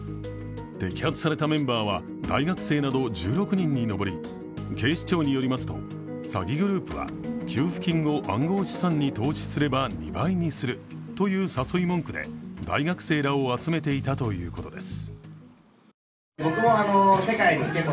摘発されたメンバーは、大学生など１６人に上り、警視庁によりますと詐欺グループは給付金を暗号資産に投資すれば２倍にするという誘い文句で大学生らを集めていたということです。